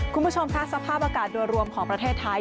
คุณผู้ชมค่ะสภาพอากาศโดยรวมของประเทศไทย